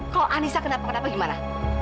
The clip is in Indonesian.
kok anissa kenapa kenapa gimana